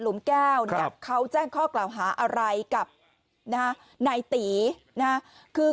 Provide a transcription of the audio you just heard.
มแก้วเนี่ยเขาแจ้งข้อกล่าวหาอะไรกับนายตีนะคือ